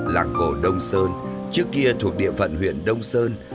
làng cổ đông sơn trước kia thuộc địa phận huyện đông sơn